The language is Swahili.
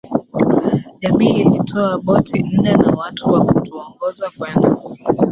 Jamii ilitoa boti nne na watu wa kutuongoza kwenda